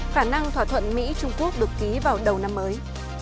khả năng thỏa thuận mỹ trung quốc được ký vào đầu năm mới